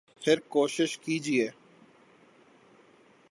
پھر کوشش کیجئے